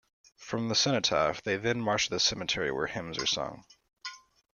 From the cenotaph they then march to the cemetery where hymns are sung.